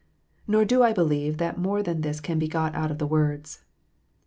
Xor do I believe that more than this can be got out of the words.